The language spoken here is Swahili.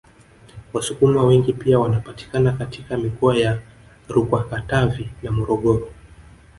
Wasukuma wengi pia wanapatikana katika mikoa ya RukwaKatavi na Morogoro